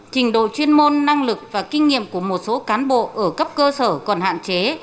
trình độ chuyên môn năng lực và kinh nghiệm của một số cán bộ ở cấp cơ sở còn hạn chế